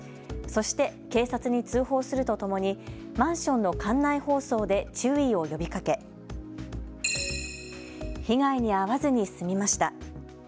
そして警察に通報するとともにマンションの館内放送で注意を呼びかけ被害に遭わずに済みました。